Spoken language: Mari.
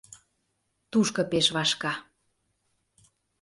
Тушко пеш вашка...